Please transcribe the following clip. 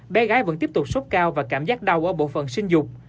bé gái vẫn tiếp tục sốc cao và cảm giác đau ở bộ phận sinh dục